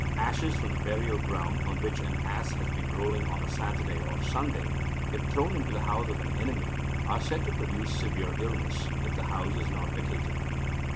Ashes from the burial ground on which an ass has been rolling on a Saturday or Sunday, if thrown into the house of an enemy, are said to produce severe illness, if the house is not vacated.